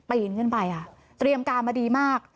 ไปอินเงื่อนไปอ่ะเตรียมการมาดีมาก